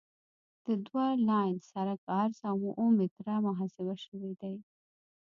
د دوه لاین سرک عرض اوه متره محاسبه شوی دی